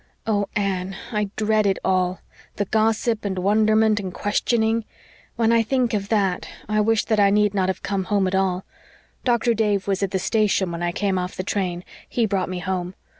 Oh, Anne, I dread it all the gossip and wonderment and questioning. When I think of that, I wish that I need not have come home at all. Dr. Dave was at the station when I came off the train he brought me home.